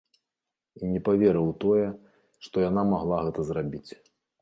І не паверыў у тое, што яна магла гэта зрабіць.